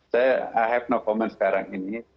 saya i have no comment sekarang ini